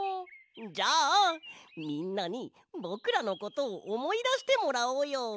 じゃあみんなにぼくらのことをおもいだしてもらおうよ！